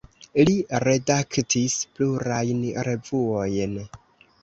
Li redaktis plurajn revuojn.